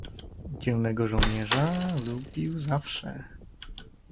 "Dzielnego żołnierza lubił zawsze."